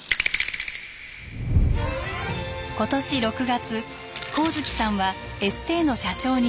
今年６月上月さんはエステーの社長に就任。